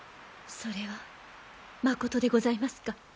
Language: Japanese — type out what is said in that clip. それはまことでございますか？